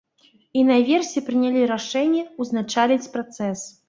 І наверсе прынялі рашэнне, ўзначаліць працэс.